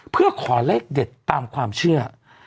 เพื่อขอเลขเด็ดตามความเชื่อ